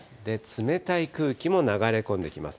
冷たい空気も流れ込んできます。